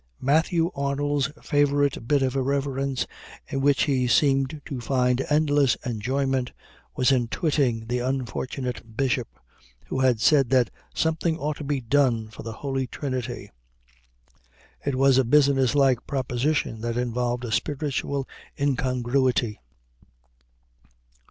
Matthew Arnold's favorite bit of irreverence in which he seemed to find endless enjoyment was in twitting the unfortunate Bishop who had said that "something ought to be done" for the Holy Trinity. It was a business like proposition that involved a spiritual incongruity.